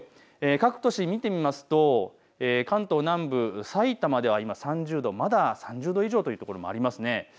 各都市、見てみますと関東南部、さいたまでは今３０度、まだ３０度以上という所もありますね。